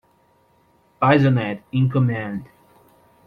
Bisonet in command.